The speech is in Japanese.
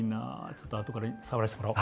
ちょっとあとから触らしてもらお。